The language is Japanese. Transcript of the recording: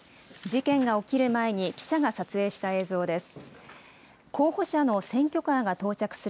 事件が起きる前に、記者が撮影した映像です。